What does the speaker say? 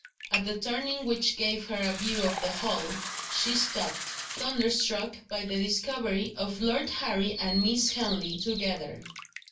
At the turning which gave her a view of the hall, she stopped; thunderstruck by the discovery of Lord Harry and Miss Henley, together.